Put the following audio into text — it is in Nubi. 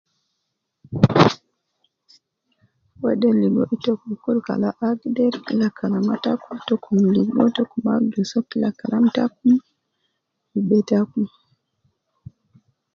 Wede ligo itokum kun kala agder kila kalama takum tokum kun ligo tokum abidu soo kila kalama takum fi be takum